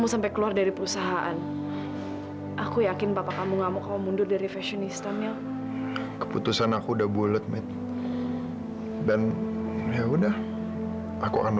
sampai jumpa di video selanjutnya